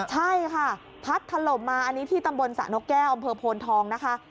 ใช่ค่ะพัดถล่มมาอันนี้ที่ตำบลสระนกแก้วอำเภอโพนทองนะคะ